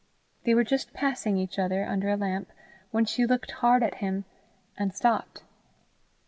They were just passing each other, under a lamp, when she looked hard at him, and stopped.